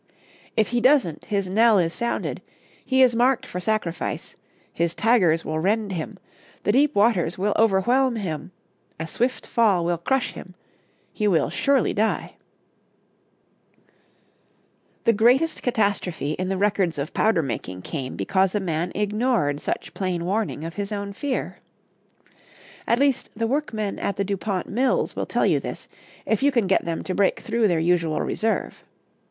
If he doesn't his knell is sounded, he is marked for sacrifice, his tigers will rend him, the deep waters will overwhelm him, a swift fall will crush him he will surely die. [Illustration: EFFECTS OF DYNAMITE EXPLODED UNDER WATER.] The greatest catastrophe in the records of powder making came because a man ignored such plain warning of his own fear. At least, the workmen at the Dupont mills will tell you this if you can get them to break through their usual reserve.